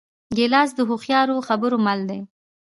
ګیلاس د هوښیارو خبرو مل دی.